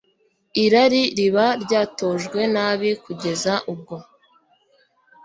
irari riba ryaratojwe nabi kugeza ubwo